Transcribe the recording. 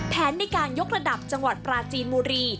แผนในการยกระดับจังหวัดปราจีนบุรี